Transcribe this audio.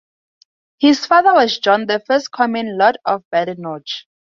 His father was John the First Comyn, Lord of Badenoch.